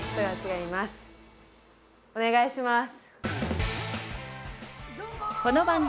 お願いします。